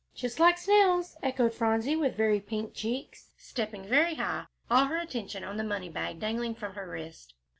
"Just like snails," echoed Phronsie, with very pink cheeks, stepping very high, all her attention on the money bag dangling from her wrist.